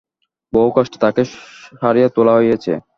বহু কষ্টে তাকে সারিয়ে তোলা হয়েছে।